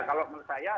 kalau menurut saya